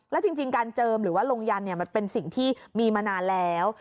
แล้วจริงการเจิมหรือว่าลงยันมันเป็นสิ่งที่มีมานานแล้ว